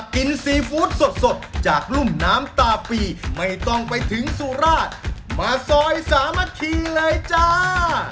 ซีฟู้ดสดจากรุ่มน้ำตาปีไม่ต้องไปถึงสุราชมาซอยสามัคคีเลยจ้า